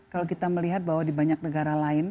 kalau kita melihat bahwa di banyak negara lain